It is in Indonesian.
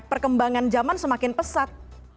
perkembangan zaman semakin pesat